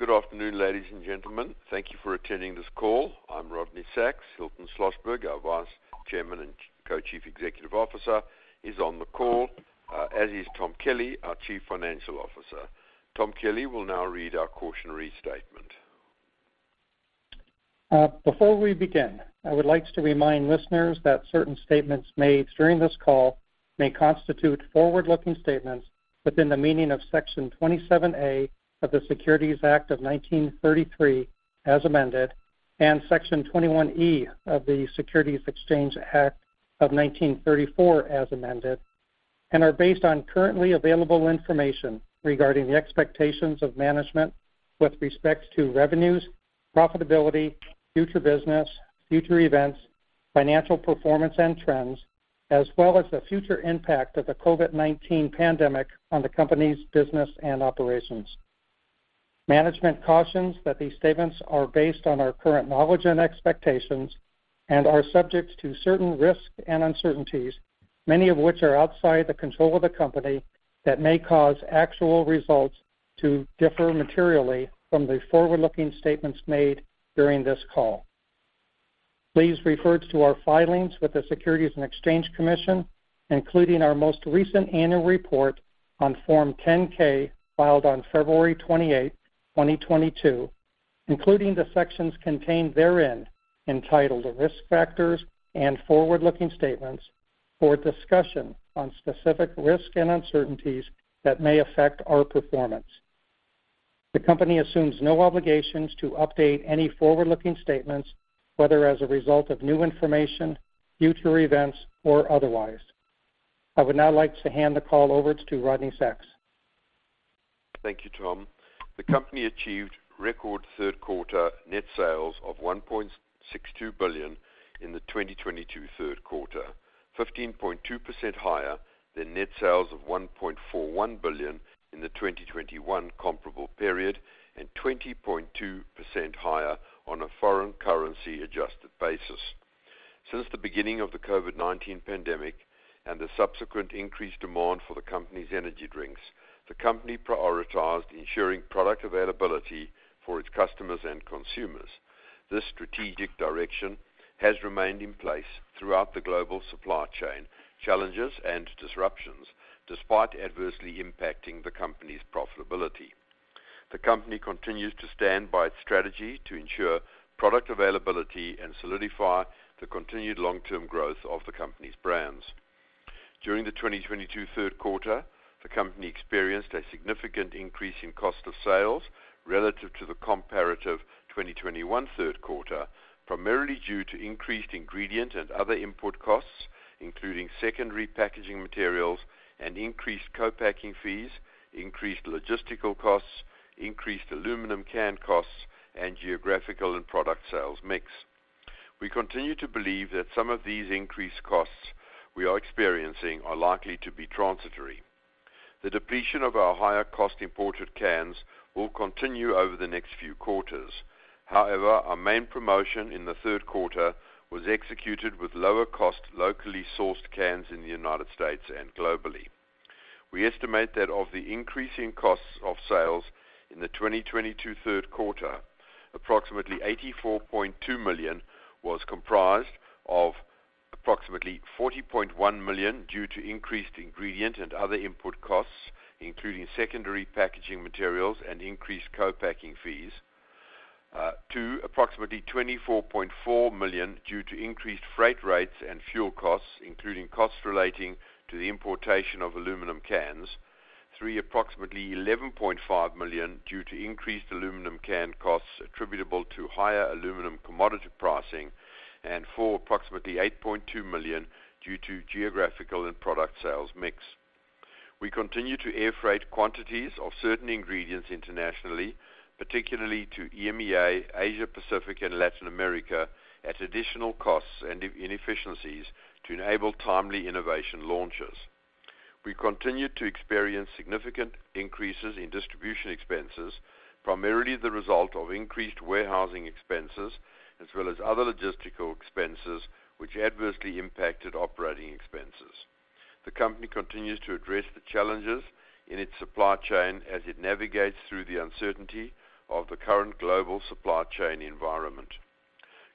Good afternoon, ladies and gentlemen. Thank you for attending this call. I'm Rodney Sacks. Hilton Schlosberg, our Vice Chairman and Co-Chief Executive Officer is on the call, as is Tom Kelly, our Chief Financial Officer. Tom Kelly will now read our cautionary statement. Before we begin, I would like to remind listeners that certain statements made during this call may constitute forward-looking statements within the meaning of Section 27A of the Securities Act of 1933, as amended, and Section 21E of the Securities Exchange Act of 1934, as amended, and are based on currently available information regarding the expectations of management with respect to revenues, profitability, future business, future events, financial performance and trends, as well as the future impact of the COVID-19 pandemic on the company's business and operations. Management cautions that these statements are based on our current knowledge and expectations and are subject to certain risks and uncertainties, many of which are outside the control of the company that may cause actual results to differ materially from the forward-looking statements made during this call. Please refer to our filings with the Securities and Exchange Commission, including our most recent annual report on Form 10-K filed on February 28, 2022, including the sections contained therein, entitled Risk Factors and Forward-Looking Statements for a discussion on specific risks and uncertainties that may affect our performance. The company assumes no obligations to update any forward-looking statements, whether as a result of new information, future events or otherwise. I would now like to hand the call over to Rodney Sacks. Thank you, Tom. The company achieved record third quarter net sales of $1.62 billion in the 2022 third quarter, 15.2% higher than net sales of $1.41 billion in the 2021 comparable period and 20.2% higher on a foreign currency adjusted basis. Since the beginning of the COVID-19 pandemic and the subsequent increased demand for the company's energy drinks, the company prioritized ensuring product availability for its customers and consumers. This strategic direction has remained in place throughout the global supply chain challenges and disruptions despite adversely impacting the company's profitability. The company continues to stand by its strategy to ensure product availability and solidify the continued long-term growth of the company's brands. During the 2022 third quarter, the company experienced a significant increase in cost of sales relative to the comparative 2021 third quarter, primarily due to increased ingredient and other input costs, including secondary packaging materials and increased co-packing fees, increased logistical costs, increased aluminum can costs, and geographical and product sales mix. We continue to believe that some of these increased costs we are experiencing are likely to be transitory. The depletion of our higher cost imported cans will continue over the next few quarters. However, our main promotion in the third quarter was executed with lower cost locally sourced cans in the United States and globally. We estimate that of the increase in costs of sales in the 2022 third quarter, approximately $84.2 million was comprised of approximately $40.1 million due to increased ingredient and other input costs, including secondary packaging materials and increased co-packing fees, approximately $24.4 million due to increased freight rates and fuel costs, including costs relating to the importation of aluminum cans, approximately $11.5 million due to increased aluminum can costs attributable to higher aluminum commodity pricing, and approximately $8.2 million due to geographical and product sales mix. We continue to air freight quantities of certain ingredients internationally, particularly to EMEA, Asia Pacific and Latin America, at additional costs and inefficiencies to enable timely innovation launches. We continue to experience significant increases in distribution expenses, primarily the result of increased warehousing expenses as well as other logistical expenses which adversely impacted operating expenses. The company continues to address the challenges in its supply chain as it navigates through the uncertainty of the current global supply chain environment.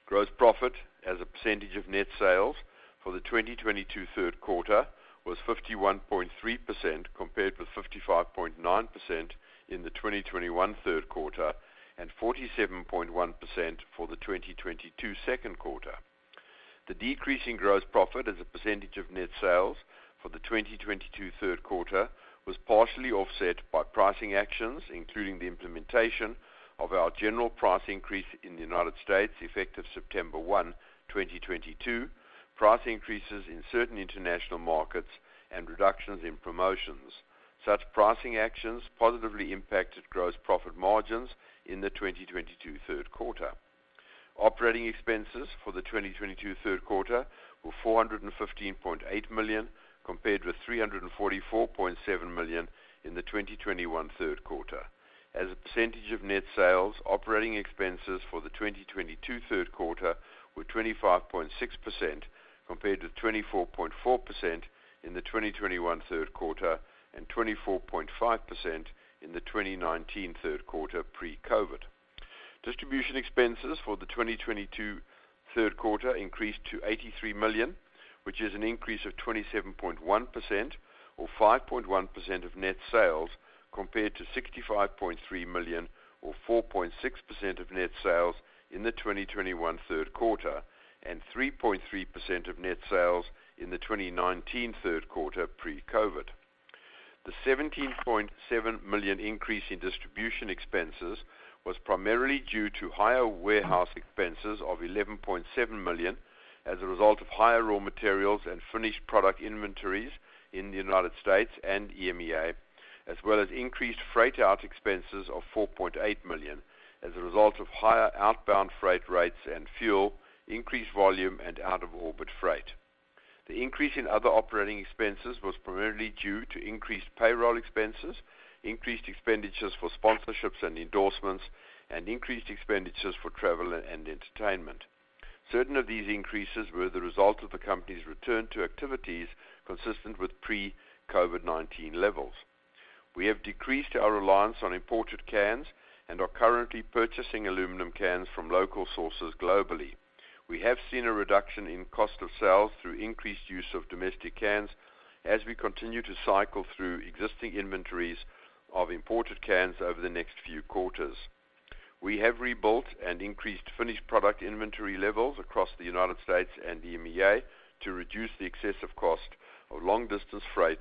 Gross profit as a percentage of net sales for the 2022 third quarter was 51.3%, compared with 55.9% in the 2021 third quarter and 47.1% for the 2022 second quarter. The decrease in gross profit as a percentage of net sales for the 2022 third quarter was partially offset by pricing actions, including the implementation of our general price increase in the United States effective September 1, 2022, price increases in certain international markets and reductions in promotions. Such pricing actions positively impacted gross profit margins in the 2022 third quarter. Operating expenses for the 2022 third quarter were $415.8 million, compared with $344.7 million in the 2021 third quarter. As a percentage of net sales, operating expenses for the 2022 third quarter were 25.6% compared to 24.4% in the 2021 third quarter and 24.5% in the 2019 third quarter pre-COVID. Distribution expenses for the 2022 third quarter increased to $83 million, which is an increase of 27.1% or 5.1% of net sales compared to $65.3 million or 4.6% of net sales in the 2021 third quarter and 3.3% of net sales in the 2019 third quarter pre-COVID. The $17.7 million increase in distribution expenses was primarily due to higher warehouse expenses of $11.7 million as a result of higher raw materials and finished product inventories in the United States and EMEA, as well as increased freight out expenses of $4.8 million as a result of higher outbound freight rates and fuel, increased volume and out of orbit freight. The increase in other operating expenses was primarily due to increased payroll expenses, increased expenditures for sponsorships and endorsements, and increased expenditures for travel and entertainment. Certain of these increases were the result of the company's return to activities consistent with pre-COVID-19 levels. We have decreased our reliance on imported cans and are currently purchasing aluminum cans from local sources globally. We have seen a reduction in cost of sales through increased use of domestic cans as we continue to cycle through existing inventories of imported cans over the next few quarters. We have rebuilt and increased finished product inventory levels across the United States and EMEA to reduce the excessive cost of long-distance freight,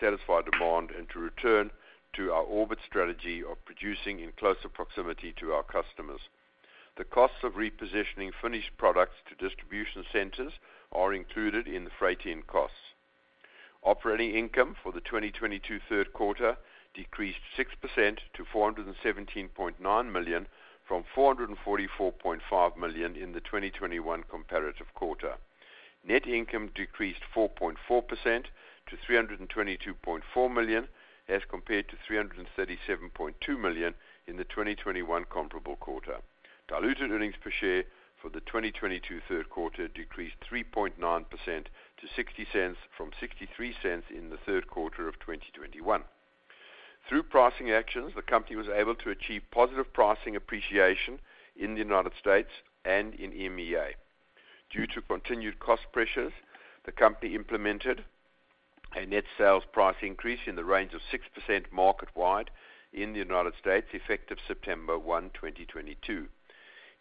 satisfy demand and to return to our orbit strategy of producing in closer proximity to our customers. The costs of repositioning finished products to distribution centers are included in the freight in costs. Operating income for the 2022 third quarter decreased 6% to $417.9 million from $444.5 million in the 2021 comparative quarter. Net income decreased 4.4% to $322.4 million as compared to $337.2 million in the 2021 comparable quarter. Diluted earnings per share for the 2022 third quarter decreased 3.9% to $0.60 from $0.63 in the third quarter of 2021. Through pricing actions, the company was able to achieve positive pricing appreciation in the United States and in EMEA. Due to continued cost pressures, the company implemented a net sales price increase in the range of 6% market wide in the United States, effective September 1, 2022.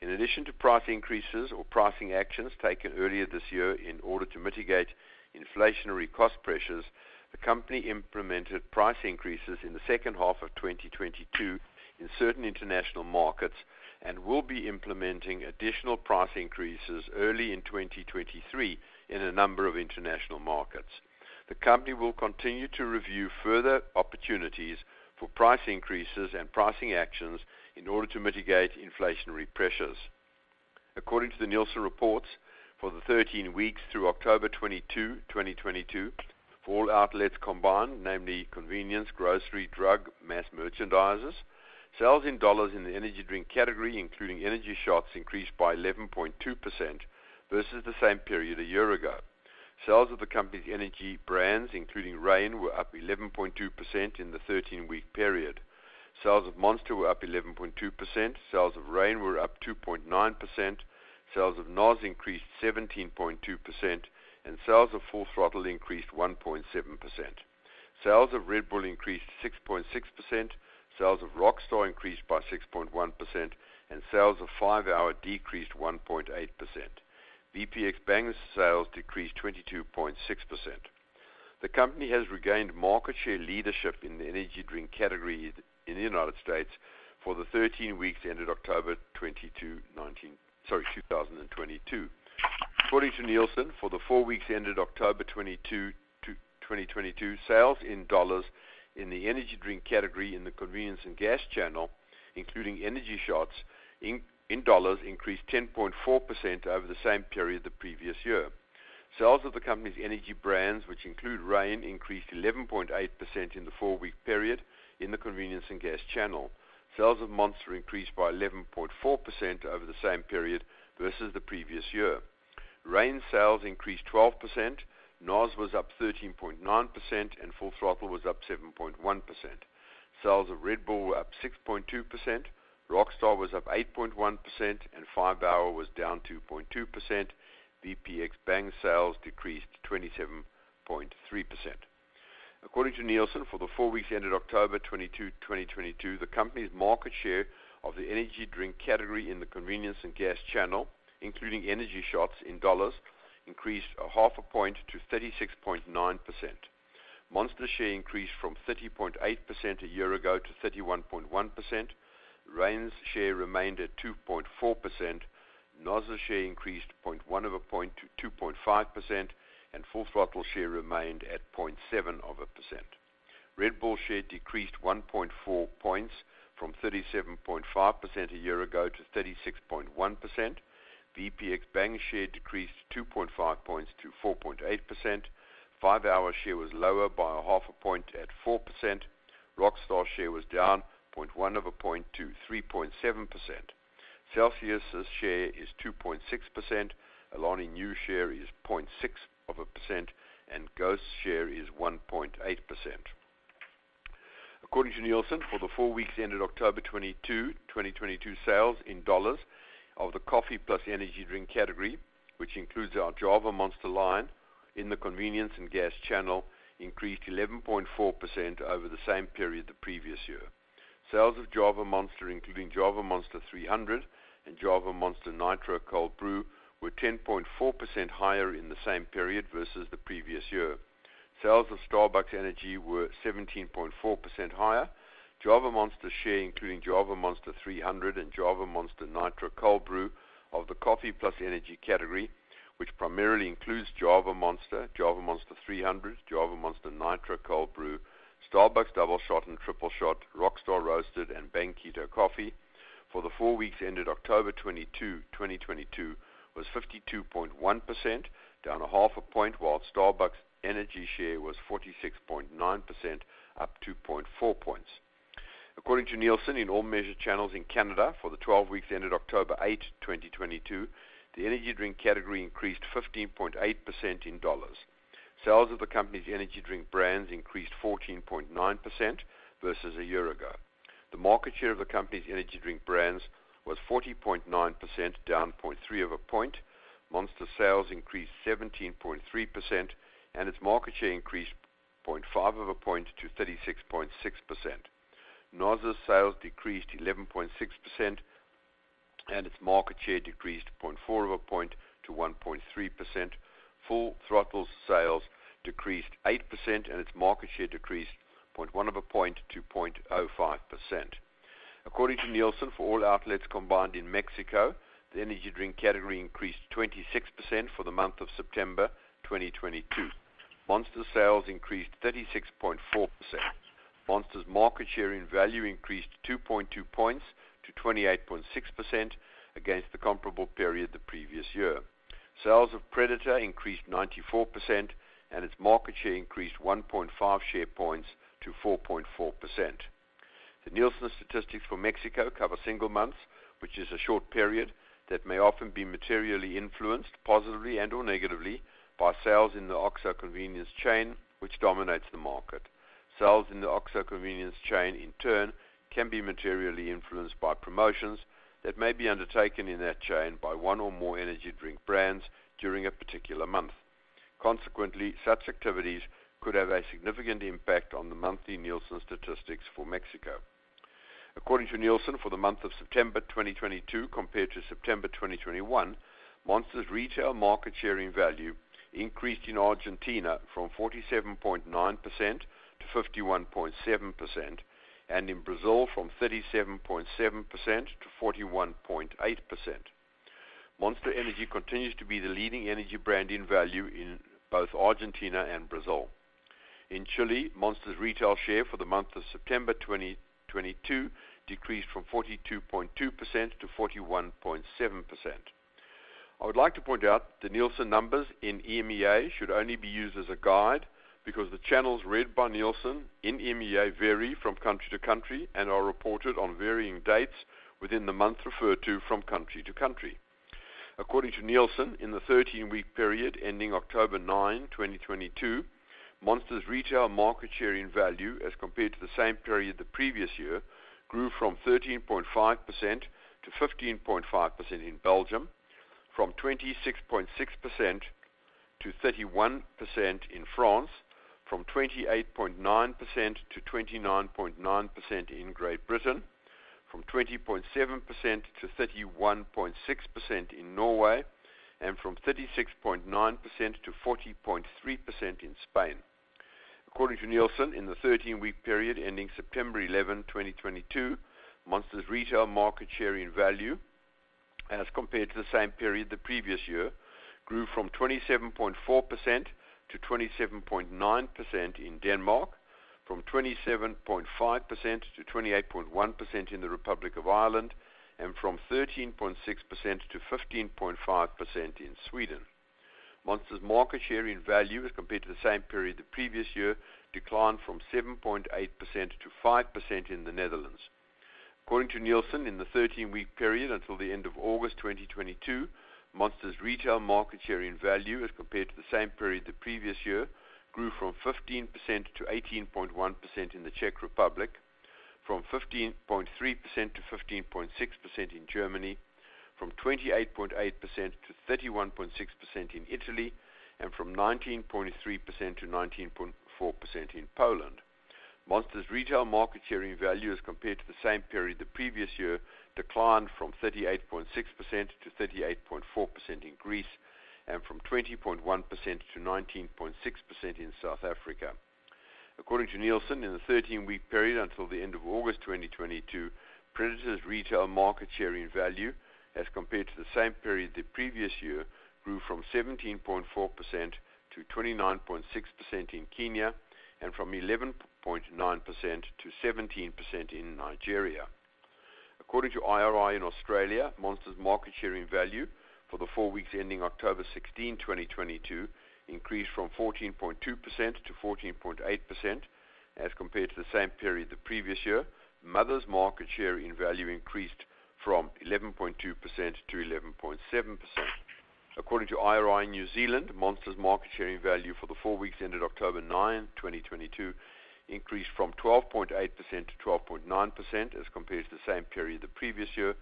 In addition to price increases or pricing actions taken earlier this year in order to mitigate inflationary cost pressures, the company implemented price increases in the second half of 2022 in certain international markets and will be implementing additional price increases early in 2023 in a number of international markets. The company will continue to review further opportunities for price increases and pricing actions in order to mitigate inflationary pressures. According to the Nielsen reports, for the 13 weeks through October 2022, for all outlets combined, namely convenience, grocery, drug, mass merchandisers, sales in dollars in the energy drink category, including energy shots, increased by 11.2% versus the same period a year ago. Sales of the company's energy brands, including Reign, were up 11.2% in the 13-week period. Sales of Monster were up 11.2%, sales of Reign were up 2.9%, sales of NOS increased 17.2%, and sales of Full Throttle increased 1.7%. Sales of Red Bull increased 6.6%, sales of Rockstar increased by 6.1%, and sales of five-hour ENERGY decreased 1.8%. VPX Bang sales decreased 22.6%. The company has regained market share leadership in the energy drink category in the United States for the 13 weeks ended October 22, 2022. According to Nielsen, for the four weeks ended October 22, 2022, sales in dollars in the energy drink category in the convenience and gas channel, including energy shots, in dollars, increased 10.4% over the same period the previous year. Sales of the company's energy brands, which include Reign, increased 11.8% in the four-week period in the convenience and gas channel. Sales of Monster increased by 11.4% over the same period versus the previous year. Reign sales increased 12%, NOS was up 13.9%, and Full Throttle was up 7.1%. Sales of Red Bull were up 6.2%, Rockstar was up 8.1%, and 5-hour was down 2.2%. VPX Bang sales decreased 27.3%. According to Nielsen, for the four weeks ended October 22, 2022, the company's market share of the energy drink category in the convenience and gas channel, including energy shots in dollars, increased 0.5 point to 36.9%. Monster share increased from 30.8% a year ago to 31.1%. Reign's share remained at 2.4%. NOS's share increased 0.1 of a point to 2.5%, and Full Throttle share remained at 0.7 of a percent. Red Bull share decreased 1.4 points from 37.5% a year ago to 36.1%. VPX Bang share decreased 2.5 points to 4.8%. five-hour share was lower by half a point at 4%. Rockstar share was down 0.1 of a point to 3.7%. Celsius's share is 2.6%. Alani Nu share is 0.6%, and Ghost share is 1.8%. According to Nielsen, for the four weeks ended October 22, 2022, sales in dollars of the coffee plus energy drink category, which includes our Java Monster line in the convenience and gas channel, increased 11.4% over the same period the previous year. Sales of Java Monster, including Java Monster 300 and Java Monster Nitro Cold Brew, were 10.4% higher in the same period versus the previous year. Sales of Starbucks Energy were 17.4% higher. Java Monster's share, including Java Monster 300 and Java Monster Nitro Cold Brew of the coffee plus energy category, which primarily includes Java Monster, Java Monster 300, Java Monster Nitro Cold Brew, Starbucks Doubleshot and Tripleshot, Rockstar Roasted, and Bang Keto Coffee for the four weeks ended October 22, 2022 was 52.1%, down half a point, while Starbucks Energy share was 46.9%, up 2.4 points. According to Nielsen, in all measured channels in Canada for the 12 weeks ended October 8, 2022, the energy drink category increased 15.8% in dollars. Sales of the company's energy drink brands increased 14.9% versus a year ago. The market share of the company's energy drink brands was 40.9%, down point three of a point. Monster sales increased 17.3% and its market share increased 0.5 of a point to 36.6%. NOS's sales decreased 11.6% and its market share decreased 0.4 of a point to 1.3%. Full Throttle's sales decreased 8% and its market share decreased 0.1 of a point to 0.05%. According to Nielsen, for all outlets combined in Mexico, the energy drink category increased 26% for the month of September 2022. Monster sales increased 36.4%. Monster's market share in value increased 2.2 points to 28.6% against the comparable period the previous year. Sales of Predator increased 94% and its market share increased 1.5 share points to 4.4%. The Nielsen statistics for Mexico cover single months, which is a short period that may often be materially influenced positively and/or negatively by sales in the OXXO convenience chain, which dominates the market. Sales in the OXXO convenience chain, in turn, can be materially influenced by promotions that may be undertaken in that chain by one or more energy drink brands during a particular month. Consequently, such activities could have a significant impact on the monthly Nielsen statistics for Mexico. According to Nielsen, for the month of September 2022 compared to September 2021, Monster's retail market share in value increased in Argentina from 47.9% to 51.7%, and in Brazil from 37.7% to 41.8%. Monster Energy continues to be the leading energy brand in value in both Argentina and Brazil. In Chile, Monster's retail share for the month of September 2022 decreased from 42.2% to 41.7%. I would like to point out the Nielsen numbers in EMEA should only be used as a guide because the channels read by Nielsen in EMEA vary from country to country and are reported on varying dates within the month referred to from country to country. According to Nielsen, in the 13-week period ending October 9, 2022, Monster's retail market share in value as compared to the same period the previous year grew from 13.5% to 15.5% in Belgium, from 26.6% to 31% in France, from 28.9% to 29.9% in Great Britain, from 20.7% to 31.6% in Norway, and from 36.9% to 40.3% in Spain. According to Nielsen, in the 13-week period ending September 11, 2022, Monster's retail market share in value as compared to the same period the previous year grew from 27.4% to 27.9% in Denmark, from 27.5% to 28.1% in the Republic of Ireland, and from 13.6% to 15.5% in Sweden. Monster's market share in value as compared to the same period the previous year declined from 7.8% to 5% in the Netherlands. According to Nielsen, in the 13-week period until the end of August 2022, Monster's retail market share in value as compared to the same period the previous year grew from 15% to 18.1% in the Czech Republic, from 15.3% to 15.6% in Germany, from 28.8% to 31.6% in Italy, and from 19.3% to 19.4% in Poland. Monster's retail market share in value as compared to the same period the previous year declined from 38.6% to 38.4% in Greece, and from 20.1% to 19.6% in South Africa. According to Nielsen, in the 13-week period until the end of August 2022, Predator's retail market share in value as compared to the same period the previous year grew from 17.4% to 29.6% in Kenya and from 11.9% to 17% in Nigeria. According to IRI in Australia, Monster's market share in value for the four weeks ending October 16, 2022 increased from 14.2% to 14.8% as compared to the same period the previous year. Mother's market share in value increased from 11.2% to 11.7%. According to IRI New Zealand, Monster's market share in value for the four weeks ended October 9, 2022, increased from 12.8% to 12.9% as compared to the same period the previous year.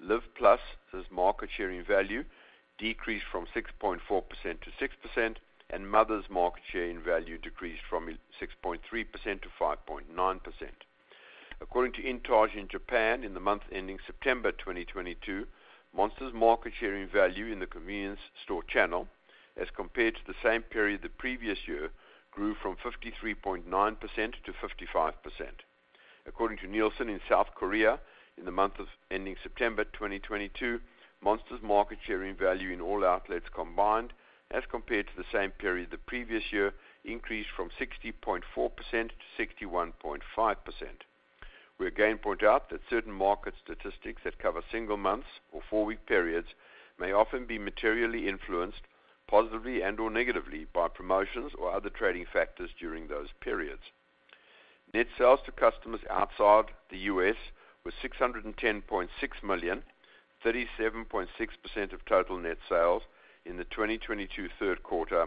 Live+'s market share in value decreased from 6.4% to 6%, and Mother's market share in value decreased from 6.3% to 5.9%. According to INTAGE in Japan, in the month ending September 2022, Monster's market share in value in the convenience store channel as compared to the same period the previous year, grew from 53.9% to 55%. According to Nielsen in South Korea, in the month ending September 2022, Monster's market share in value in all outlets combined as compared to the same period the previous year, increased from 60.4% to 61.5%. We again point out that certain market statistics that cover single months or four-week periods may often be materially influenced positively and/or negatively by promotions or other trading factors during those periods. Net sales to customers outside the US was $610.6 million, 37.6% of total net sales in the 2022 third quarter,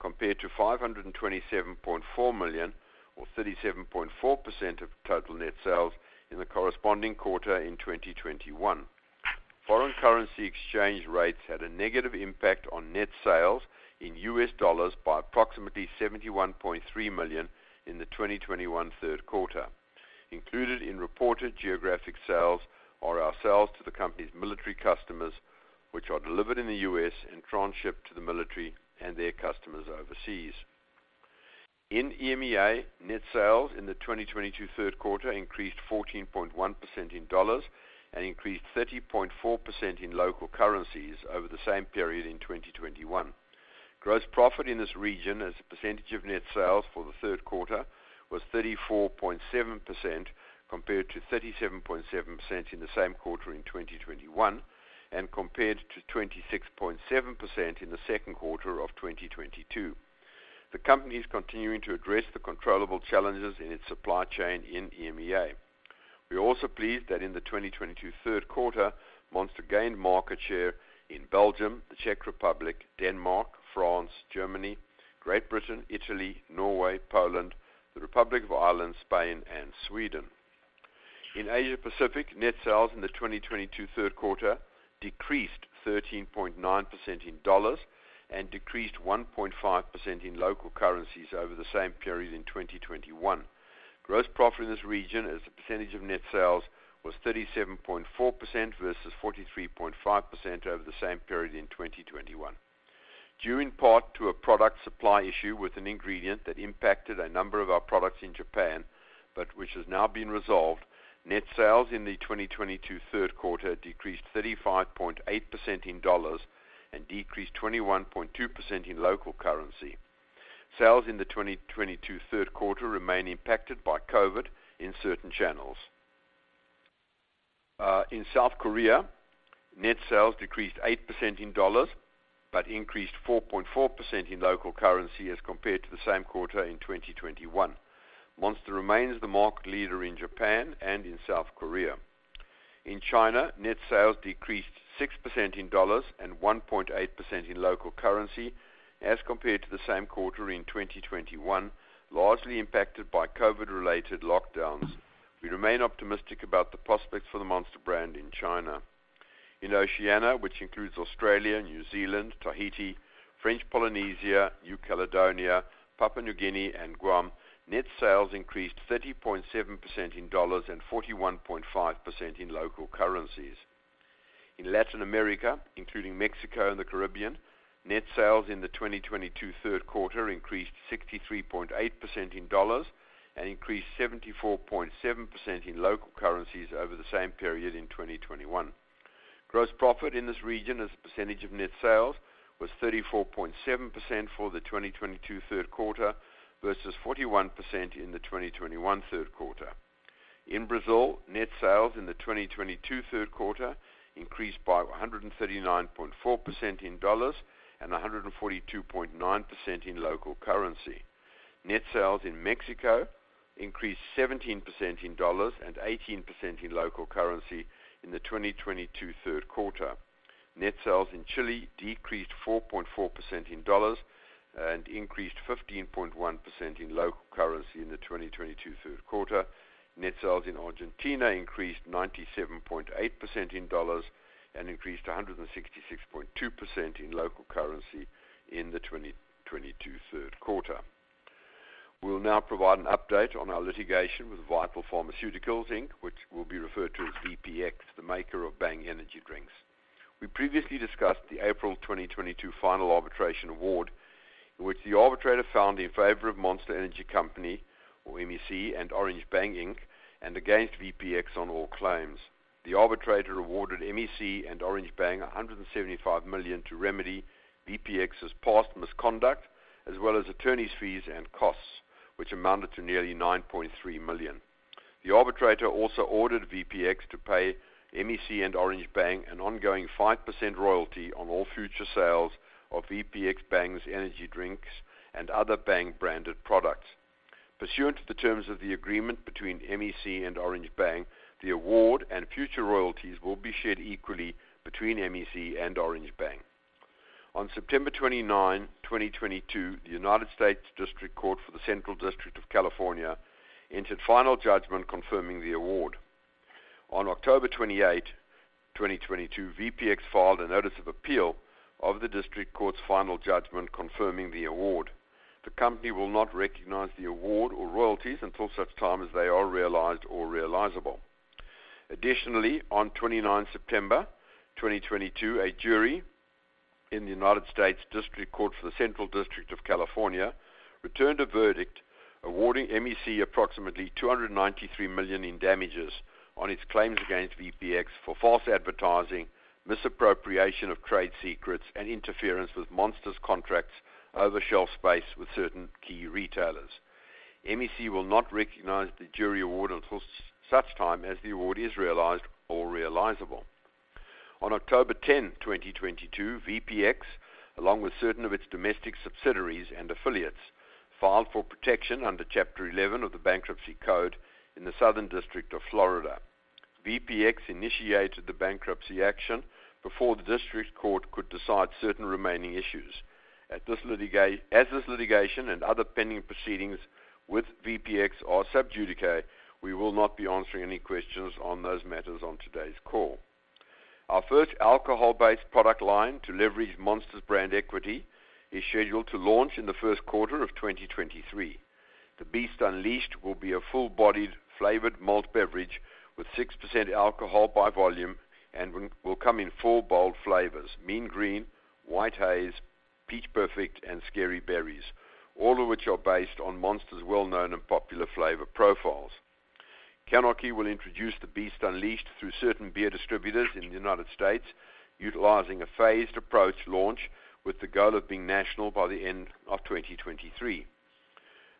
compared to $527.4 million or 37.4% of total net sales in the corresponding quarter in 2021. Foreign currency exchange rates had a negative impact on net sales in US dollars by approximately $71.3 million in the 2021 third quarter. Included in reported geographic sales are our sales to the company's military customers, which are delivered in the US and transshipped to the military and their customers overseas. In EMEA, net sales in the 2022 third quarter increased 14.1% in dollars and increased 30.4% in local currencies over the same period in 2021. Gross profit in this region as a percentage of net sales for the third quarter was 34.7% compared to 37.7% in the same quarter in 2021, and compared to 26.7% in the second quarter of 2022. The company is continuing to address the controllable challenges in its supply chain in EMEA. We are also pleased that in the 2022 third quarter, Monster gained market share in Belgium, the Czech Republic, Denmark, France, Germany, Great Britain, Italy, Norway, Poland, the Republic of Ireland, Spain, and Sweden. In Asia Pacific, net sales in the 2022 third quarter decreased 13.9% in dollars and decreased 1.5% in local currencies over the same period in 2021. Gross profit in this region as a percentage of net sales was 37.4% versus 43.5% over the same period in 2021. Due in part to a product supply issue with an ingredient that impacted a number of our products in Japan, but which has now been resolved, net sales in the 2022 third quarter decreased 35.8% in dollars and decreased 21.2% in local currency. Sales in the 2022 third quarter remain impacted by COVID in certain channels. In South Korea, net sales decreased 8% in dollars, but increased 4.4% in local currency as compared to the same quarter in 2021. Monster remains the market leader in Japan and in South Korea. In China, net sales decreased 6% in dollars and 1.8% in local currency as compared to the same quarter in 2021, largely impacted by COVID-related lockdowns. We remain optimistic about the prospects for the Monster brand in China. In Oceania, which includes Australia, New Zealand, Tahiti, French Polynesia, New Caledonia, Papua New Guinea, and Guam, net sales increased 30.7% in dollars and 41.5% in local currencies. In Latin America, including Mexico and the Caribbean, net sales in the 2022 third quarter increased 63.8% in dollars and increased 74.7% in local currencies over the same period in 2021. Gross profit in this region as a percentage of net sales was 34.7% for the 2022 third quarter versus 41% in the 2021 third quarter. In Brazil, net sales in the 2022 third quarter increased by 139.4% in dollars and 142.9% in local currency. Net sales in Mexico increased 17% in dollars and 18% in local currency in the 2022 third quarter. Net sales in Chile decreased 4.4% in dollars and increased 15.1% in local currency in the 2022 third quarter. Net sales in Argentina increased 97.8% in dollars and increased 166.2% in local currency in the 2022 third quarter. We will now provide an update on our litigation with Vital Pharmaceuticals, Inc., which will be referred to as VPX, the maker of Bang Energy drinks. We previously discussed the April 2022 final arbitration award in which the arbitrator found in favor of Monster Energy Company or MEC, and Orange Bang, Inc., and against VPX on all claims. The arbitrator awarded MEC and Orange Bang $175 million to remedy VPX's past misconduct, as well as attorneys' fees and costs, which amounted to nearly $9.3 million. The arbitrator also ordered VPX to pay MEC and Orange Bang an ongoing 5% royalty on all future sales of VPX's Bang energy drinks and other Bang branded products. Pursuant to the terms of the agreement between MEC and Orange Bang, the award and future royalties will be shared equally between MEC and Orange Bang. On September 29, 2022, the United States District Court for the Central District of California entered final judgment confirming the award. On October 28, 2022, VPX filed a notice of appeal of the District Court's final judgment confirming the award. The company will not recognize the award or royalties until such time as they are realized or realizable. Additionally, on September 29, 2022, a jury in the United States District Court for the Central District of California returned a verdict awarding MEC approximately $293 million in damages on its claims against VPX for false advertising, misappropriation of trade secrets, and interference with Monster's contracts over shelf space with certain key retailers. MEC will not recognize the jury award until such time as the award is realized or realizable. On October 10, 2022, VPX, along with certain of its domestic subsidiaries and affiliates, filed for protection under Chapter 11 of the Bankruptcy Code in the Southern District of Florida. VPX initiated the bankruptcy action before the District Court could decide certain remaining issues. As this litigation and other pending proceedings with VPX are sub judice, we will not be answering any questions on those matters on today's call. Our first alcohol-based product line to leverage Monster's brand equity is scheduled to launch in the first quarter of 2023. The Beast Unleashed will be a full-bodied flavored malt beverage with 6% alcohol by volume and will come in four bold flavors, Mean Green, White Haze, Peach Perfect, and Scary Berries, all of which are based on Monster's well-known and popular flavor profiles. CANarchy will introduce The Beast Unleashed through certain beer distributors in the United States, utilizing a phased approach launch with the goal of being national by the end of 2023.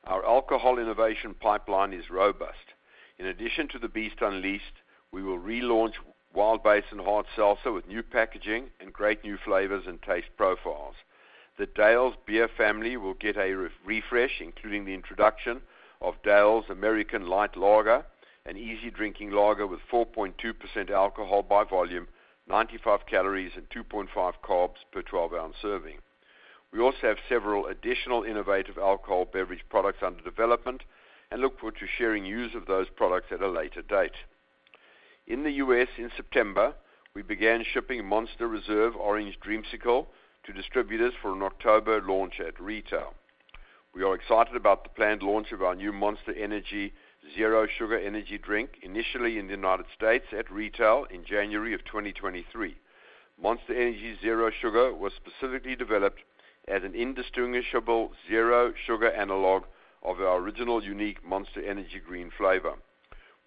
Our alcohol innovation pipeline is robust. In addition to The Beast Unleashed, we will relaunch Wild Basin Hard Seltzer with new packaging and great new flavors and taste profiles. The Dale's beer family will get a re-refresh, including the introduction of Dale's American Light Lager, an easy drinking lager with 4.2% alcohol by volume, 95 calories, and 2.5 carbs per 12-ounce serving. We also have several additional innovative alcohol beverage products under development and look forward to sharing news of those products at a later date. In the US in September, we began shipping Monster Reserve Orange Dreamsicle to distributors for an October launch at retail. We are excited about the planned launch of our new Monster Energy Zero Sugar energy drink, initially in the United States at retail in January of 2023. Monster Energy Zero Sugar was specifically developed as an indistinguishable zero sugar analog of our original unique Monster Energy Green flavor.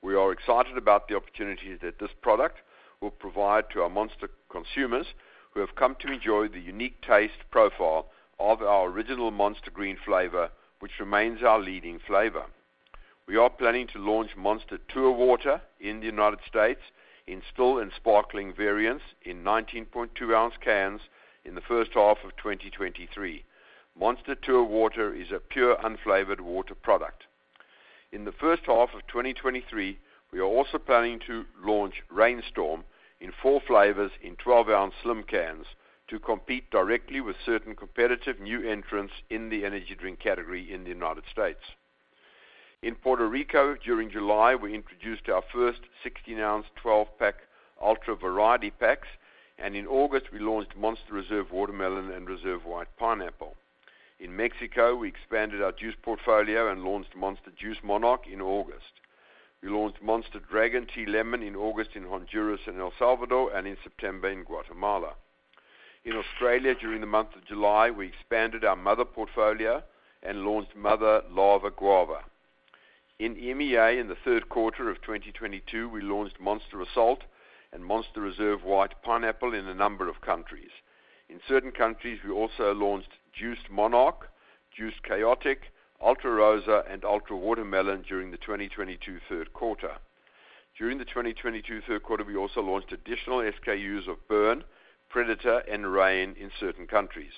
We are excited about the opportunity that this product will provide to our Monster consumers who have come to enjoy the unique taste profile of our original Monster Green flavor, which remains our leading flavor. We are planning to launch Monster Tour Water in the United States in still and sparkling variants in 19.2-ounce cans in the first half of 2023. Monster Tour Water is a pure, unflavored water product. In the first half of 2023, we are also planning to launch Reign Storm in four flavors in 12-ounce slim cans to compete directly with certain competitive new entrants in the energy drink category in the United States. In Puerto Rico, during July, we introduced our first 16-ounce 12-pack Ultra variety packs, and in August, we launched Monster Reserve Watermelon and Reserve White Pineapple. In Mexico, we expanded our juice portfolio and launched Monster Juiced Monarch in August. We launched Monster Dragon Ice Tea Lemon in August in Honduras and El Salvador, and in September in Guatemala. In Australia, during the month of July, we expanded our Mother portfolio and launched Mother Lava Guava. In EMEA, in the third quarter of 2022, we launched Monster Assault and Monster Reserve White Pineapple in a number of countries. In certain countries, we also launched Juiced Monarch, Juiced Khaotic, Ultra Rosá, and Ultra Watermelon during the 2022 third quarter. During the 2022 third quarter, we also launched additional SKUs of Burn, Predator, and Reign in certain countries.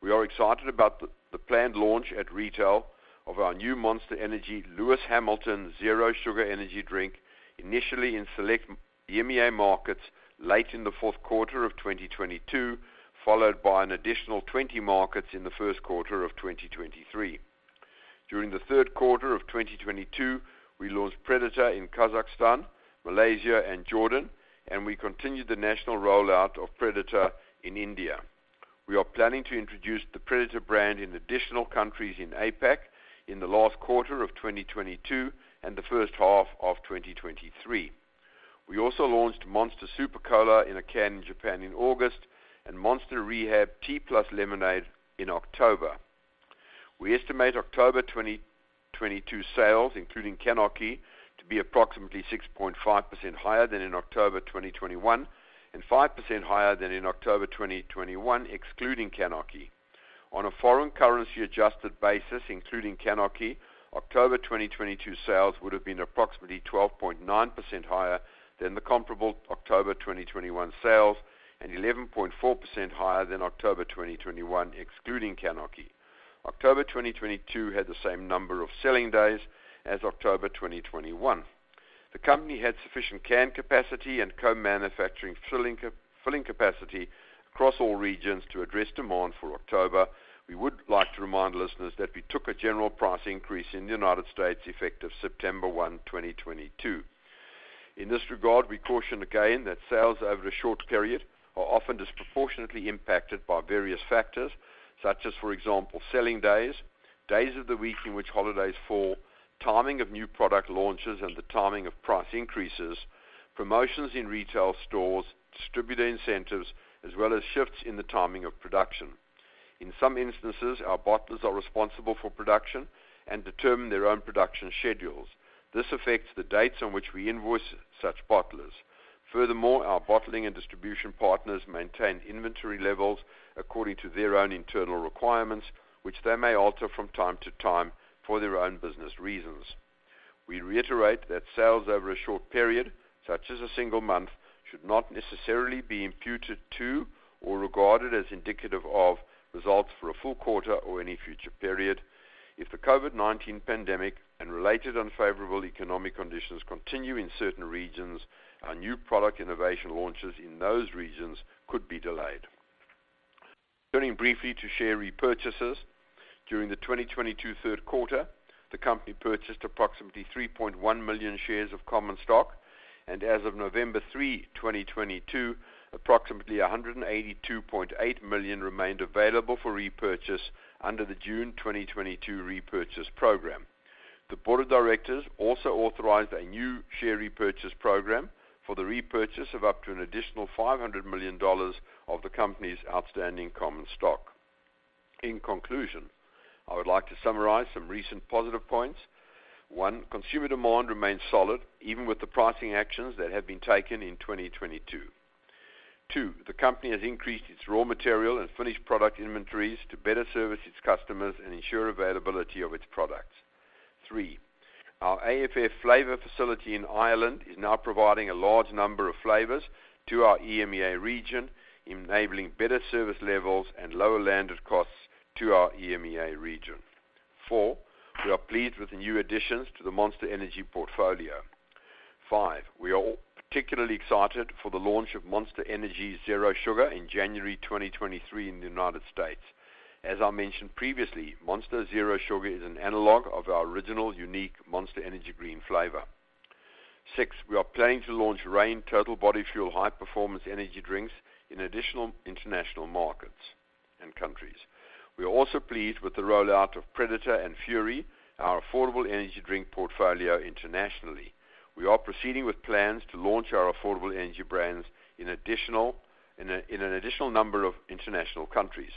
We are excited about the planned launch at retail of our new Monster Energy Lewis Hamilton Zero Sugar energy drink, initially in select EMEA markets late in the fourth quarter of 2022, followed by an additional 20 markets in the first quarter of 2023. During the third quarter of 2022, we launched Predator in Kazakhstan, Malaysia, and Jordan, and we continued the national rollout of Predator in India. We are planning to introduce the Predator brand in additional countries in APAC in the last quarter of 2022 and the first half of 2023. We also launched Monster Super Cola in a can in Japan in August and Monster Rehab Tea + Lemonade in October. We estimate October 2022 sales, including CANarchy, to be approximately 6.5% higher than in October 2021 and 5% higher than in October 2021, excluding CANarchy. On a foreign currency adjusted basis, including CANarchy, October 2022 sales would have been approximately 12.9% higher than the comparable October 2021 sales and 11.4% higher than October 2021, excluding CANarchy. October 2022 had the same number of selling days as October 2021. The company had sufficient can capacity and co-manufacturing filling capacity across all regions to address demand for October. We would like to remind listeners that we took a general price increase in the United States effective September 1, 2022. In this regard, we caution again that sales over a short period are often disproportionately impacted by various factors, such as, for example, selling days of the week in which holidays fall, timing of new product launches, and the timing of price increases, promotions in retail stores, distributor incentives, as well as shifts in the timing of production. In some instances, our bottlers are responsible for production and determine their own production schedules. This affects the dates on which we invoice such bottlers. Furthermore, our bottling and distribution partners maintain inventory levels according to their own internal requirements, which they may alter from time to time for their own business reasons. We reiterate that sales over a short period, such as a single month, should not necessarily be imputed to or regarded as indicative of results for a full quarter or any future period. If the COVID-19 pandemic and related unfavorable economic conditions continue in certain regions, our new product innovation launches in those regions could be delayed. Turning briefly to share repurchases. During the 2022 third quarter, the company purchased approximately 3.1 million shares of common stock. As of November 3, 2022, approximately 182.8 million remained available for repurchase under the June 2022 repurchase program. The board of directors also authorized a new share repurchase program for the repurchase of up to an additional $500 million of the company's outstanding common stock. In conclusion, I would like to summarize some recent positive points. One, consumer demand remains solid even with the pricing actions that have been taken in 2022. Two, the company has increased its raw material and finished product inventories to better service its customers and ensure availability of its products. Three, our AFF flavor facility in Ireland is now providing a large number of flavors to our EMEA region, enabling better service levels and lower landed costs to our EMEA region. Four, we are pleased with the new additions to the Monster Energy portfolio. Five, we are all particularly excited for the launch of Monster Energy Zero Sugar in January 2023 in the United States. As I mentioned previously, Monster Zero Sugar is an analog of our original unique Monster Energy green flavor. Six, we are planning to launch Reign Total Body Fuel high-performance energy drinks in additional international markets and countries. We are also pleased with the rollout of Predator and Fury, our affordable energy drink portfolio internationally. We are proceeding with plans to launch our affordable energy brands in an additional number of international countries.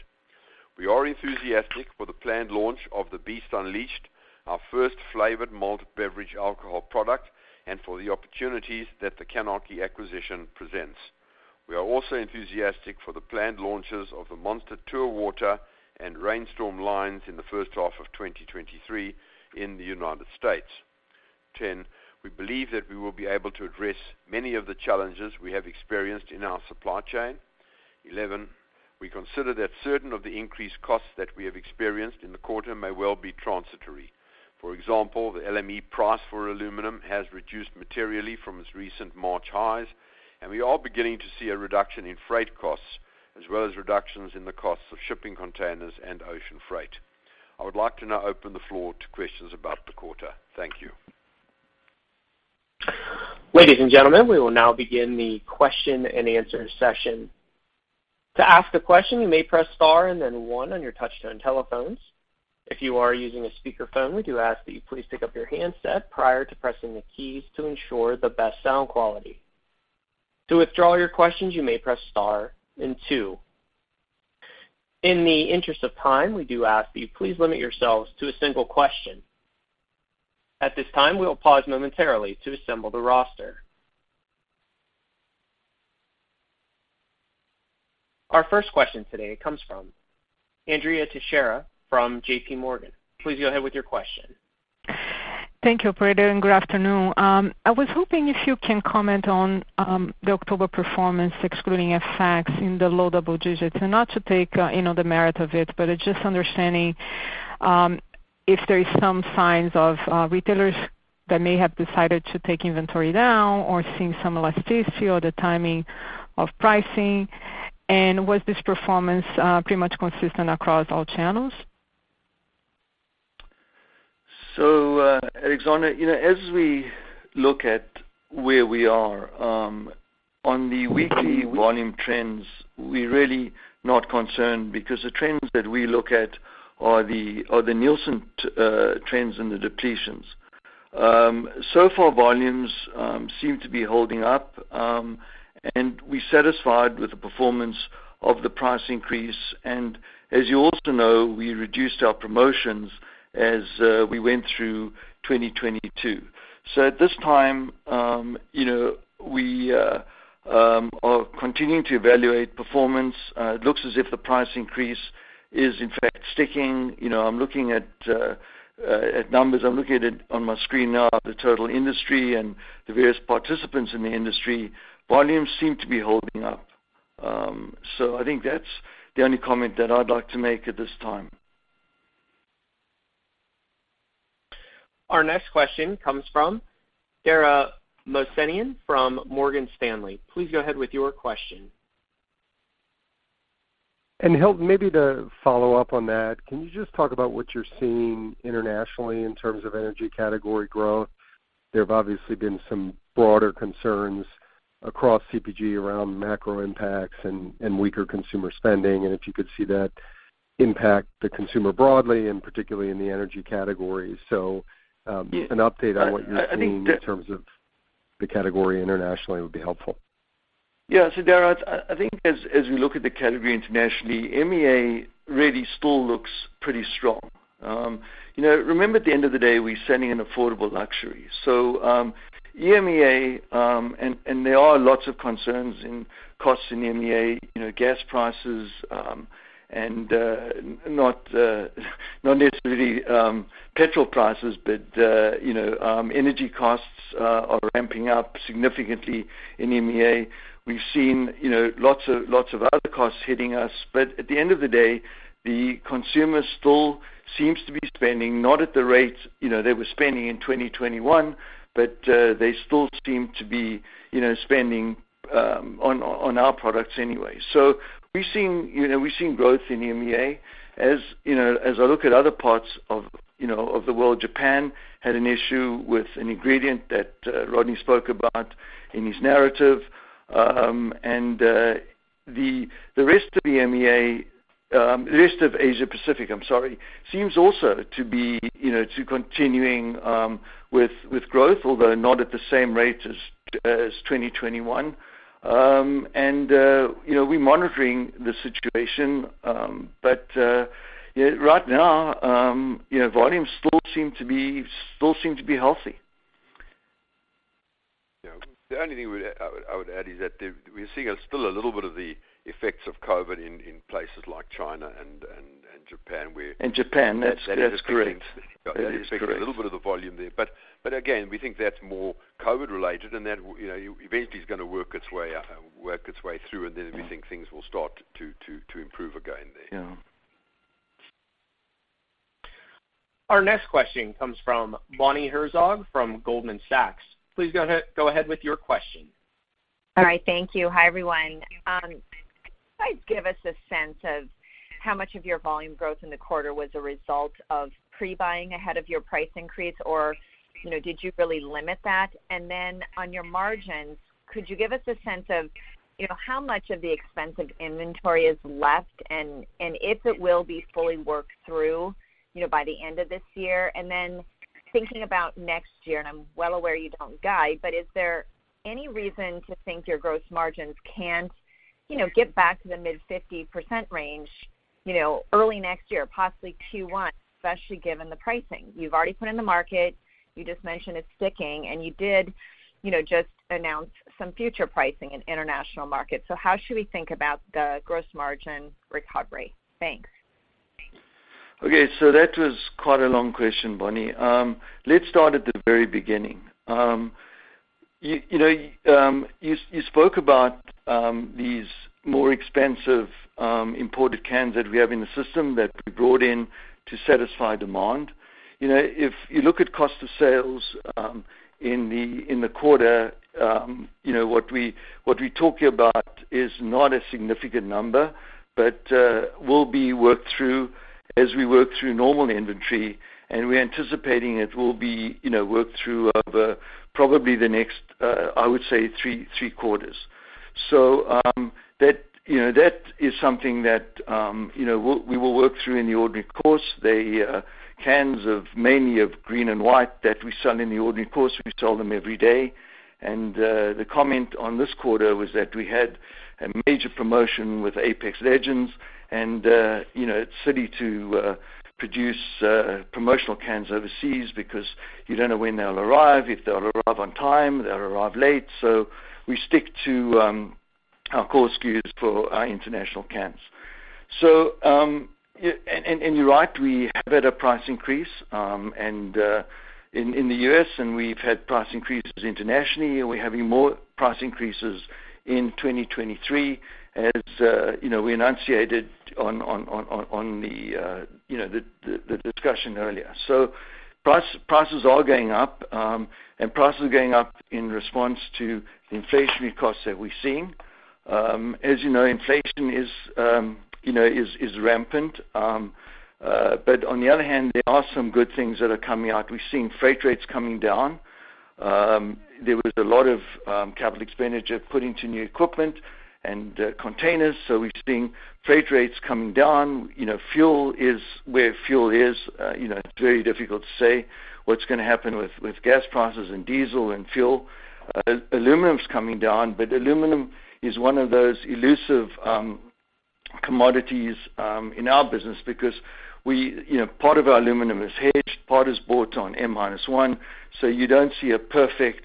We are enthusiastic for the planned launch of The Beast Unleashed, our first flavored malt beverage alcohol product, and for the opportunities that the CANarchy acquisition presents. We are also enthusiastic for the planned launches of the Monster Tour Water and Reign Storm lines in the first half of 2023 in the United States. 10, we believe that we will be able to address many of the challenges we have experienced in our supply chain. 11, we consider that certain of the increased costs that we have experienced in the quarter may well be transitory. For example, the LME price for aluminum has reduced materially from its recent March highs, and we are beginning to see a reduction in freight costs as well as reductions in the costs of shipping containers and ocean freight. I would like to now open the floor to questions about the quarter. Thank you. Ladies and gentlemen, we will now begin the question-and-answer session. To ask a question, you may press star and then one on your touchtone telephones. If you are using a speakerphone, we do ask that you please pick up your handset prior to pressing the keys to ensure the best sound quality. To withdraw your questions, you may press star and two. In the interest of time, we do ask that you please limit yourselves to a single question. At this time, we will pause momentarily to assemble the roster. Our first question today comes from Andrea Teixeira from JPMorgan. Please go ahead with your question. Thank you, operator, and good afternoon. I was hoping if you can comment on the October performance, excluding FX in the low double digits. Not to take, you know, the merit of it, but it's just understanding if there is some signs of retailers that may have decided to take inventory down or seeing some elasticity or the timing of pricing. Was this performance pretty much consistent across all channels? Andrea Teixeira, you know, as we look at where we are on the weekly volume trends, we're really not concerned because the trends that we look at are the Nielsen trends and the depletions. So far, volumes seem to be holding up, and we're satisfied with the performance of the price increase. As you also know, we reduced our promotions as we went through 2022. At this time, you know, we are continuing to evaluate performance. It looks as if the price increase is in fact sticking. You know, I'm looking at numbers. I'm looking at it on my screen now, the total industry and the various participants in the industry. Volumes seem to be holding up. I think that's the only comment that I'd like to make at this time. Our next question comes from Dara Mohsenian from Morgan Stanley. Please go ahead with your question. Hilton, maybe to follow up on that, can you just talk about what you're seeing internationally in terms of energy category growth? There have obviously been some broader concerns across CPG around macro impacts and weaker consumer spending, and if you could see that impact the consumer broadly and particularly in the energy category. An update on what you're seeing in terms of the category internationally would be helpful. Yeah. Dara, I think as we look at the category internationally, EMEA really still looks pretty strong. You know, remember, at the end of the day, we're selling an affordable luxury. EMEA, and there are lots of concerns in costs in EMEA, you know, gas prices, and not necessarily petrol prices, but you know, energy costs are ramping up significantly in EMEA. We've seen, you know, lots of other costs hitting us. But at the end of the day, the consumer still seems to be spending, not at the rates, you know, they were spending in 2021, but they still seem to be, you know, spending on our products anyway. We've seen, you know, growth in EMEA. As you know, as I look at other parts of the world, Japan had an issue with an ingredient that Rodney spoke about in his narrative. The rest of EMEA, the rest of Asia Pacific, I'm sorry, seems also to be continuing with growth, although not at the same rate as 2021. You know, we're monitoring the situation, but yeah, right now, you know, volumes still seem to be healthy. Yeah. The only thing I would add is that we're seeing still a little bit of the effects of COVID in places like China and Japan where- In Japan, that's correct. Yeah. Expecting a little bit of the volume there. Again, we think that's more COVID related, and that you know, eventually is gonna work its way out and work its way through, and then we think things will start to improve again there. Yeah. Our next question comes from Bonnie Herzog from Goldman Sachs. Please go ahead with your question. All right. Thank you. Hi, everyone. Could you guys give us a sense of how much of your volume growth in the quarter was a result of pre-buying ahead of your price increase? Or, you know, did you really limit that? And then on your margins, could you give us a sense of, you know, how much of the expensive inventory is left, and if it will be fully worked through, you know, by the end of this year? And then thinking about next year, and I'm well aware you don't guide, but is there any reason to think your gross margins can't, you know, get back to the mid-50% range, you know, early next year, possibly Q1, especially given the pricing you've already put in the market. You just mentioned it's sticking, and you did, you know, just announce some future pricing in international markets. How should we think about the gross margin recovery? Thanks. Okay. That was quite a long question, Bonnie. Let's start at the very beginning. You know, you spoke about these more expensive imported cans that we have in the system that we brought in to satisfy demand. You know, if you look at cost of sales in the quarter, you know, what we're talking about is not a significant number, but will be worked through as we work through normal inventory, and we're anticipating it will be, you know, worked through over probably the next, I would say three quarters. That, you know, that is something that, you know, we will work through in the ordinary course. The cans, mainly of green and white that we sell in the ordinary course, we sell them every day. The comment on this quarter was that we had a major promotion with Apex Legends and, you know, it's silly to produce promotional cans overseas because you don't know when they'll arrive, if they'll arrive on time, they'll arrive late. We stick to our core SKUs for our international cans. Yeah, and you're right, we have had a price increase in the US, and we've had price increases internationally, and we're having more price increases in 2023 as, you know, we enunciated on the discussion earlier. Prices are going up, and prices are going up in response to the inflationary costs that we're seeing. As you know, inflation is, you know, rampant. On the other hand, there are some good things that are coming out. We're seeing freight rates coming down. There was a lot of capital expenditure put into new equipment and containers, so we're seeing freight rates coming down. You know, fuel is where fuel is. You know, it's very difficult to say what's gonna happen with gas prices and diesel and fuel. Aluminum's coming down, but aluminum is one of those elusive commodities in our business because part of our aluminum is hedged, part is bought on M-1, so you don't see a perfect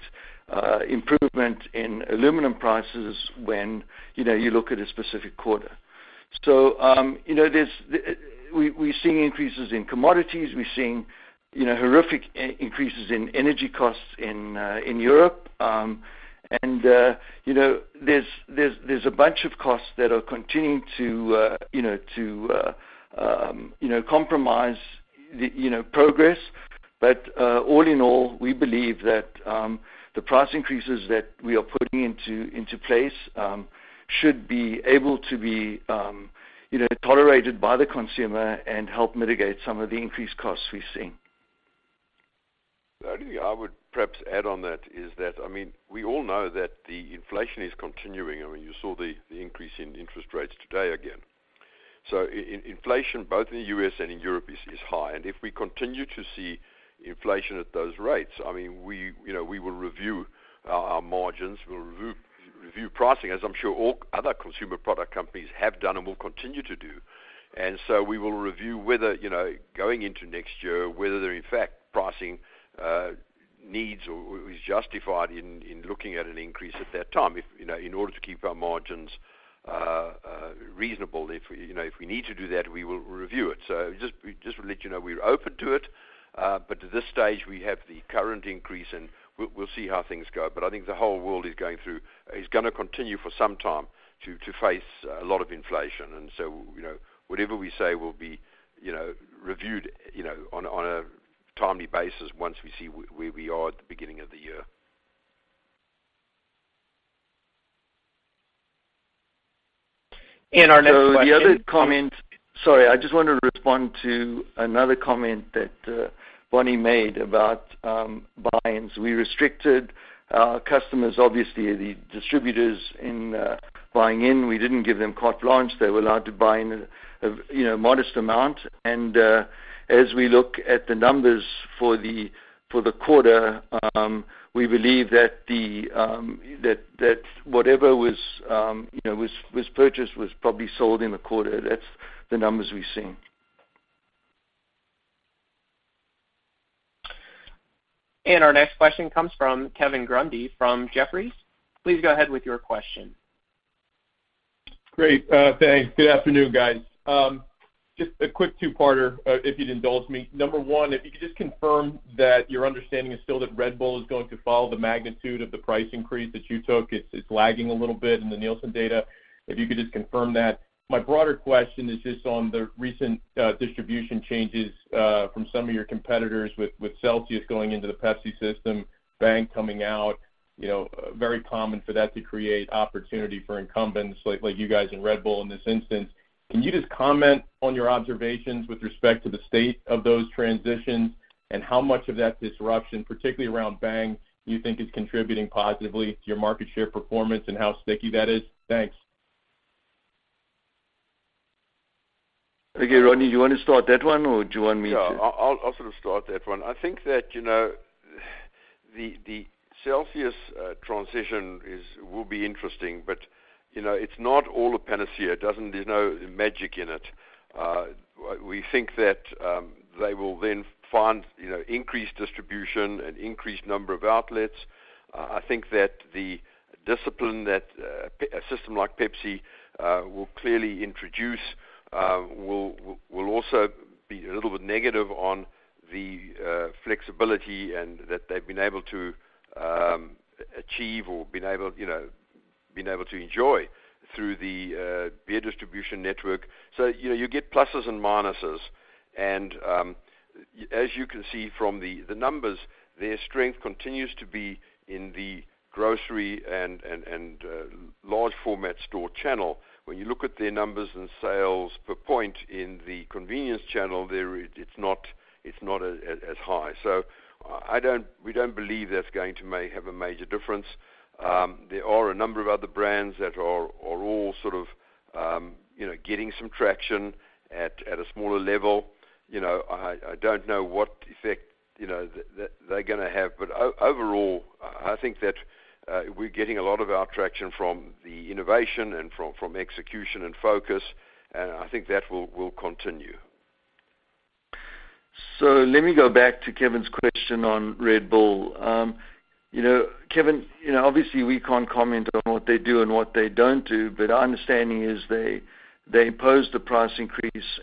improvement in aluminum prices when you know you look at a specific quarter. You know, there's we're seeing increases in commodities. We're seeing, you know, horrific increases in energy costs in Europe. You know, there's a bunch of costs that are continuing to, you know, compromise the, you know, progress. All in all, we believe that the price increases that we are putting into place should be able to be, you know, tolerated by the consumer and help mitigate some of the increased costs we've seen. The only thing I would perhaps add on that is that, I mean, we all know that the inflation is continuing. I mean, you saw the increase in interest rates today again. Inflation both in the U.S. and in Europe is high. If we continue to see inflation at those rates, I mean, you know, we will review our margins, we'll review pricing, as I'm sure all other consumer product companies have done and will continue to do. We will review whether, you know, going into next year, whether there in fact pricing needs or is justified in looking at an increase at that time. If you know, in order to keep our margins reasonable, if we need to do that, we will review it. Just to let you know, we're open to it. At this stage, we have the current increase, and we'll see how things go. I think the whole world is going through. It's gonna continue for some time to face a lot of inflation. Whatever we say will be, you know, reviewed, you know, on a timely basis once we see where we are at the beginning of the year. Our next question- Sorry, I just wanted to respond to another comment that Bonnie made about buys. We restricted our customers, obviously, the distributors in buying in. We didn't give them carte blanche. They were allowed to buy in a modest amount. As we look at the numbers for the quarter, we believe that whatever was purchased was probably sold in a quarter. That's the numbers we've seen. Our next question comes from Kevin Grundy from Jefferies. Please go ahead with your question. Great. Thanks. Good afternoon, guys. Just a quick two-parter, if you'd indulge me. Number one, if you could just confirm that your understanding is still that Red Bull is going to follow the magnitude of the price increase that you took. It's lagging a little bit in the Nielsen data. If you could just confirm that. My broader question is just on the recent distribution changes from some of your competitors with Celsius going into the Pepsi system, Bang coming out, you know, very common for that to create opportunity for incumbents like you guys in Red Bull in this instance. Can you just comment on your observations with respect to the state of those transitions and how much of that disruption, particularly around Bang, you think is contributing positively to your market share performance and how sticky that is? Thanks. Okay, Ronnie, you want to start that one, or do you want me to? Yeah, I'll sort of start that one. I think that, you know, the Celsius transition will be interesting, but, you know, it's not all a panacea. It doesn't, you know, magic in it. We think that they will then find, you know, increased distribution and increased number of outlets. I think that the discipline that a system like Pepsi will clearly introduce will also be a little bit negative on the flexibility and that they've been able to achieve or been able to enjoy through the beer distribution network. You know, you get pluses and minuses. As you can see from the numbers, their strength continues to be in the grocery and large format store channel. When you look at their numbers and sales per point in the convenience channel, it's not as high. We don't believe that's going to have a major difference. There are a number of other brands that are all sort of, you know, getting some traction at a smaller level. You know, I don't know what effect, you know, that they're gonna have. Overall, I think that we're getting a lot of our traction from the innovation and from execution and focus, and I think that will continue. Let me go back to Kevin's question on Red Bull. Kevin, obviously we can't comment on what they do and what they don't do, but our understanding is they impose the price increase.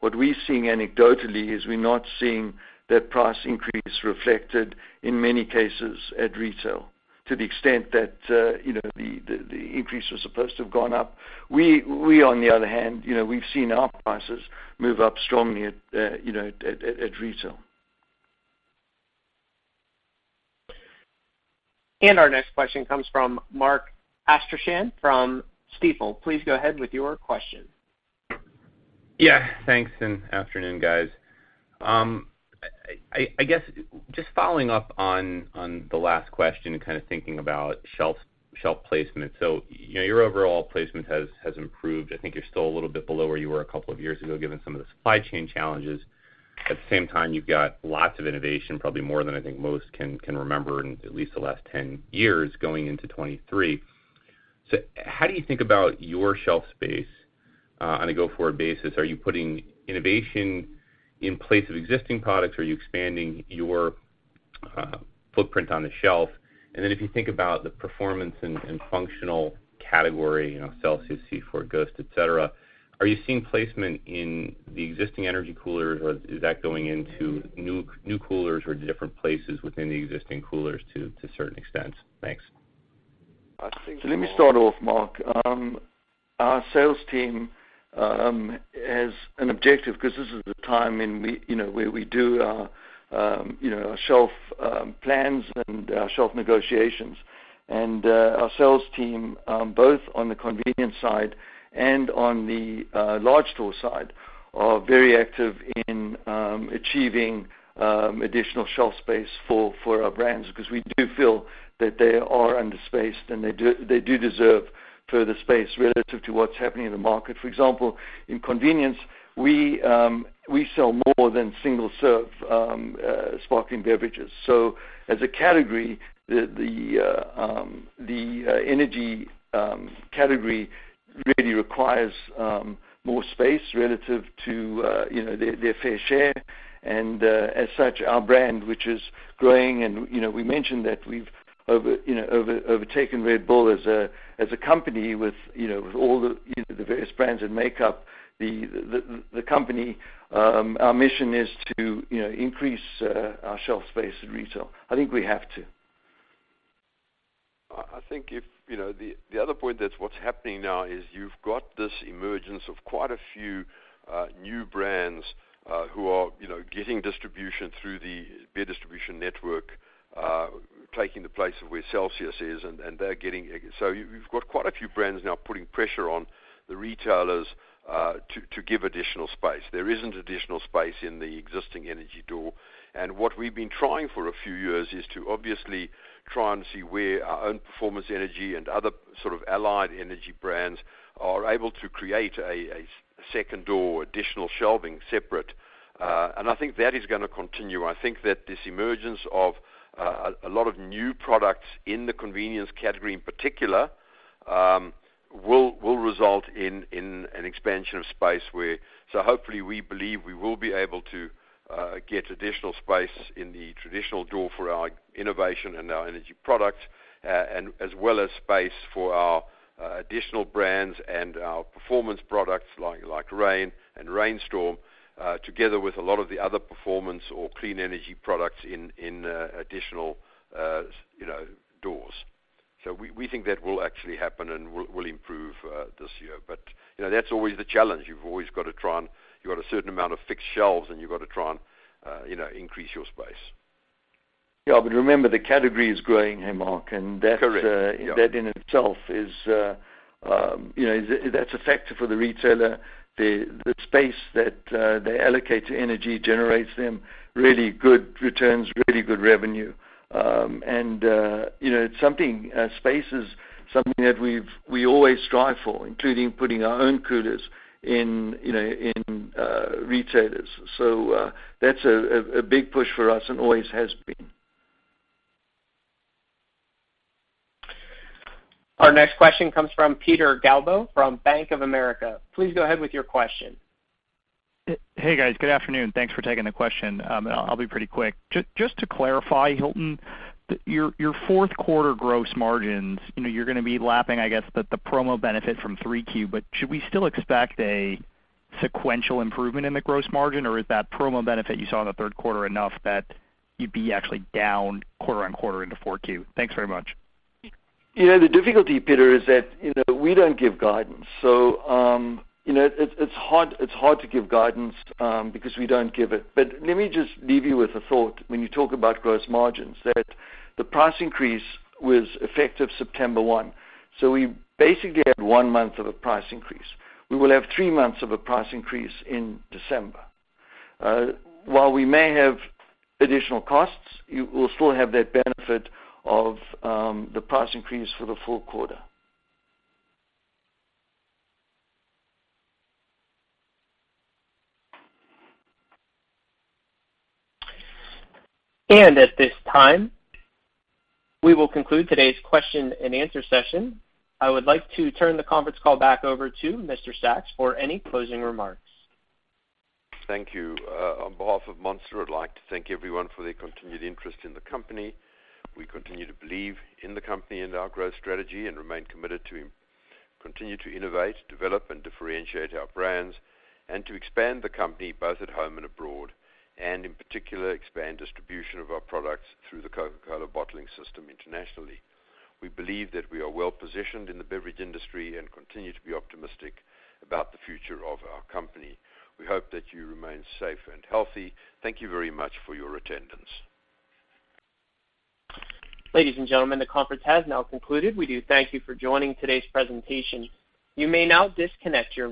What we're seeing anecdotally is we're not seeing that price increase reflected in many cases at retail to the extent that the increase was supposed to have gone up. We, on the other hand, we've seen our prices move up strongly at retail. Our next question comes from Mark Astrachan from Stifel. Please go ahead with your question. Yeah, thanks. Good afternoon, guys. I guess just following up on the last question and kinda thinking about shelf placement. You know, your overall placement has improved. I think you're still a little bit below where you were a couple of years ago, given some of the supply chain challenges. At the same time, you've got lots of innovation, probably more than I think most can remember in at least the last 10 years going into 2023. How do you think about your shelf space on a go-forward basis? Are you putting innovation in place of existing products? Are you expanding your footprint on the shelf? If you think about the performance in the functional category, you know, Celsius, C4, Ghost, et cetera, are you seeing placement in the existing energy coolers, or is that going into new coolers or different places within the existing coolers to a certain extent? Thanks. Let me start off, Mark. Our sales team, as an objective, because this is the time and we, you know, where we do our, you know, shelf plans and our shelf negotiations. Our sales team, both on the convenience side and on the large store side, are very active in achieving additional shelf space for our brands because we do feel that they are under-spaced and they deserve further space relative to what's happening in the market. For example, in convenience, we sell more than single-serve sparkling beverages. As a category, the energy category really requires more space relative to, you know, their fair share. as such, our brand, which is growing and, you know, we mentioned that we've overtaken Red Bull as a company with, you know, all the, you know, the various brands that make up the company. Our mission is to, you know, increase our shelf space in retail. I think we have to. I think if you know the other point that's what's happening now is you've got this emergence of quite a few new brands who are you know getting distribution through the beer distribution network taking the place of where Celsius is and they're getting. So you've got quite a few brands now putting pressure on the retailers to give additional space. There isn't additional space in the existing energy door. What we've been trying for a few years is to obviously try and see where our own performance energy and other sort of allied energy brands are able to create a second door additional shelving separate. I think that is gonna continue. I think that this emergence of a lot of new products in the convenience category, in particular, will result in an expansion of space where. Hopefully, we believe we will be able to get additional space in the traditional door for our innovation and our energy products, and as well as space for our additional brands and our performance products like Reign and Reign Storm, together with a lot of the other performance or clean energy products in additional you know doors. We think that will actually happen and will improve this year. You know, that's always the challenge. You've always got to try and you've got a certain amount of fixed shelves, and you've got to try and you know, increase your space. Yeah, remember, the category is growing, hey, Mark. Correct. Yeah. That in itself is, you know, that's a factor for the retailer. The space that they allocate to energy generates them really good returns, really good revenue. You know, it's something, space is something that we always strive for, including putting our own coolers in, you know, in retailers. That's a big push for us and always has been. Our next question comes from Peter Galbo from Bank of America. Please go ahead with your question. Hey, guys. Good afternoon. Thanks for taking the question. I'll be pretty quick. Just to clarify, Hilton, your fourth quarter gross margins, you know, you're gonna be lapping, I guess, the promo benefit from 3Q. Should we still expect a sequential improvement in the gross margin? Or is that promo benefit you saw in the third quarter enough that you'd be actually down quarter on quarter into 4Q? Thanks very much. You know, the difficulty, Peter, is that, you know, we don't give guidance. It's hard to give guidance because we don't give it. Let me just leave you with a thought when you talk about gross margins, that the price increase was effective September one. We basically had one month of a price increase. We will have three months of a price increase in December. While we may have additional costs, you will still have that benefit of the price increase for the full quarter. At this time, we will conclude today's question-and-answer session. I would like to turn the conference call back over to Mr. Sacks for any closing remarks. Thank you. On behalf of Monster, I'd like to thank everyone for their continued interest in the company. We continue to believe in the company and our growth strategy and remain committed to continue to innovate, develop, and differentiate our brands and to expand the company both at home and abroad, and in particular, expand distribution of our products through the Coca-Cola bottling system internationally. We believe that we are well-positioned in the beverage industry and continue to be optimistic about the future of our company. We hope that you remain safe and healthy. Thank you very much for your attendance. Ladies and gentlemen, the conference has now concluded. We do thank you for joining today's presentation. You may now disconnect your lines.